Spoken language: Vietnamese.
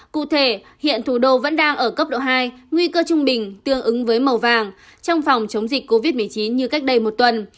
cụ thể hiện thủ đô vẫn đang ở cấp độ hai nguy cơ trung bình tương ứng với màu vàng trong phòng chống dịch covid một mươi chín như cách đây một tuần